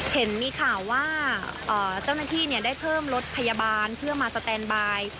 เห็นมีข่าวว่าเจ้าหน้าที่ได้เพิ่มรถพยาบาลเพื่อมาสแตนบาย